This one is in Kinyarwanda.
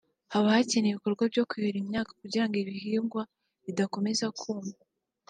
haba hakenewe ibikorwa byo kuhira imyaka ngo ibihingwa bidakomeza kuma